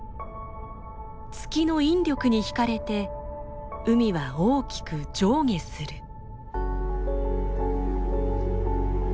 月の引力に引かれて海は大きく上下する。